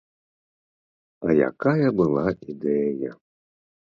А якая была ідэя!